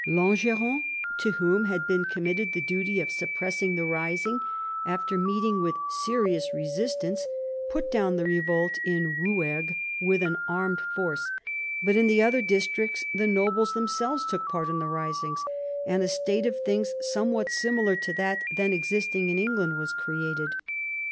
Langeron, to whom had been committed the duty of suppressing the rising, after meeting with serious resist ance, put down the revolt in Rouergue with an armed force ; but in the other districts the nobles themselves took part in the risings, and a state of things somewhat similar to that then existing in England was created.